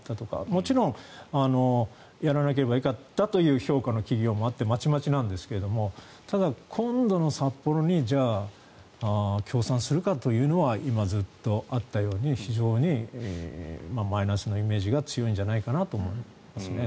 もちろんやらなければよかったという評価の企業もあってまちまちなんですけどもただ、今度の札幌にじゃあ、協賛するかというのは今ずっとあったように非常にマイナスのイメージが強いんじゃないかなと思いますね。